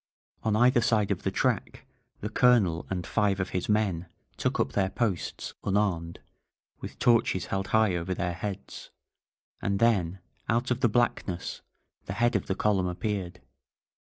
On either side of the track the Colonel and five of his men took up their posts, unarmed, with torches held high over their heads. And then, out of the thick blackness, the head of the column appeared.